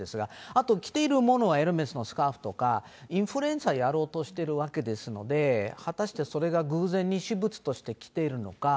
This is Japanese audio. あと着ているものはエルメスのスカーフとか、インフルエンサーやろうとしているわけですので、果たしてそれが偶然に私物として着ているのか。